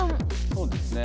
そうですね